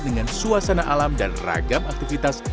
dengan suasana alam dan ragam aktivitas